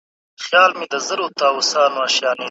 مېږیان د ژمي لپاره خپل خواړه راټولوي.